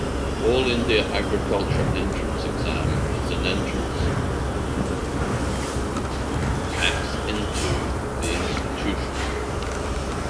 All India Agriculture Entrance Exam is an entrance exinto the institution.